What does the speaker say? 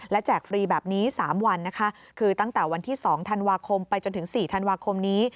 และแจกฟรีแบบนี้๓วันนะคะคือตั้งแต่วันที่๒ธันวาคมไปจนถึง๔ธันวาคมนี้